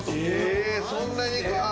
ええそんなにか。